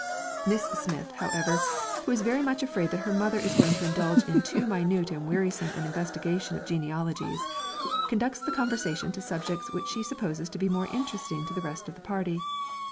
Miss Smith, however, who is very much afraid that her mother is going to indulge in too minute and wearisome an investigation of genealogies, conducts the conversation to subjects which she supposes to be more interesting to the rest of the party.